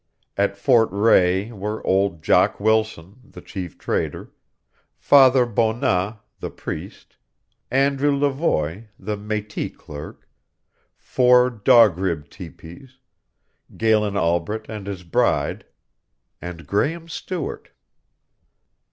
At Fort Rae were old Jock Wilson, the Chief Trader; Father Bonat, the priest; Andrew Levoy, the mètis clerk; four Dog Rib teepees; Galen Albret and his bride; and Graehme Stewart.